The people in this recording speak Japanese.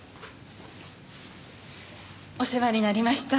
お世話になりました。